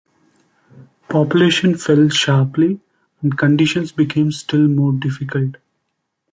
Population fell sharply and conditions became still more difficult.